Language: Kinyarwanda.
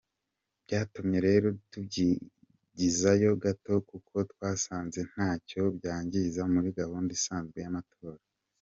Byatumye rero tubyigizayo gato kuko twasanze ntacyo byangiza muri gahunda isanzwe y’amatora.